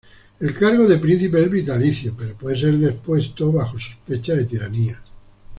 El cargo de príncipe es vitalicio, pero puede ser depuesto bajo sospecha de tiranía.